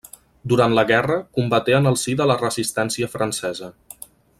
Durant la guerra combaté en el si de la Resistència Francesa.